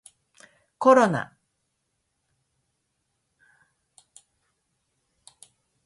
コロナ